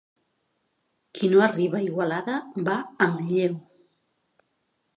Qui no arriba a Igualada, va a Manlleu.